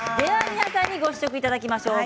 皆さんにご試食いただきましょう。